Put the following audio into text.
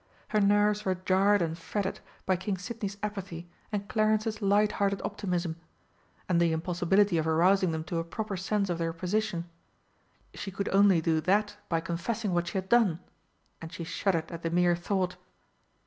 Her nerves were jarred and fretted by King Sidney's apathy and Clarence's light hearted optimism, and the impossibility of arousing them to a proper sense of their position. She could only do that by confessing what she had done and she shuddered at the mere thought.